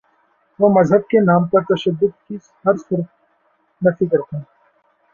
وہ مذہب کے نام پر تشدد کی ہر صورت نفی کرتے ہیں۔